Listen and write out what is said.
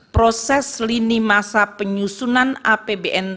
proses lini masa penyusunan apbn